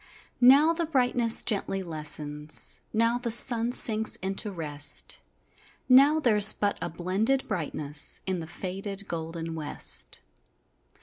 Now the brightness gently lessens, Now the sun sinks into rest, Now there's but a blended brightness In the faded golden west.